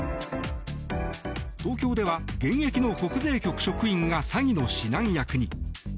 東京では現役の国税局職員が詐欺の指南役に。